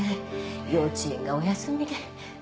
幼稚園がお休みで。